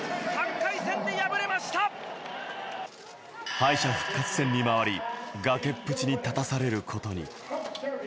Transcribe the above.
敗者復活戦に回り崖っぷちに立たされることに。